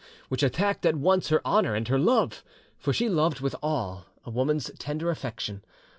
which attacked at once her honour and her love, for she loved with all a woman's tender affection.